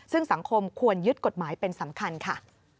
ซึ่งสังคมควรยึดกฎหมายเป็นสำคัญค่ะ